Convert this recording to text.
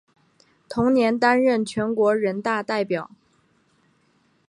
同年担任全国人大代表。